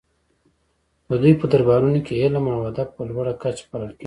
د دوی په دربارونو کې علم او ادب په لوړه کچه پالل کیده